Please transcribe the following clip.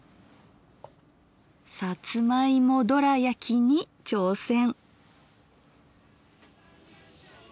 さつまいもドラやきに挑戦！